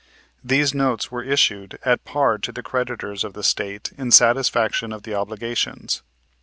These notes were issued at par to the creditors of the State in satisfaction of the obligations.